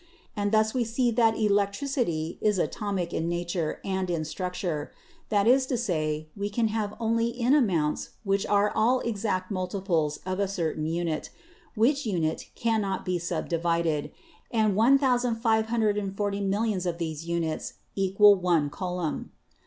And thus we see that electricity is atomic in nature and in structure; that is to say, we can have it only in amounts which are all exact multiples of a certain unit, which unit cannot be subdivided, and 1,540 millions of these units equal one coulomb.